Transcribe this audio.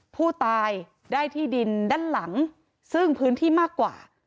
ผู้ตายได้ที่ดินด้านหลังซึ่งพื้นที่มากกว่า